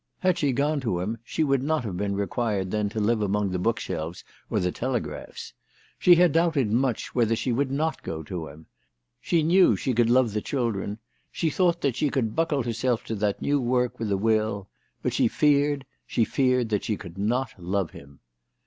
Had she gone to him she would not have been required then to live among the bookshelves or the telegraphs. She had doubted much whether she would not go to him. She knew she could love the children. She thought that she could buckle herself to that new work with a will. But she feared, she feared that she could not love him.